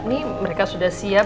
nih mereka sudah siap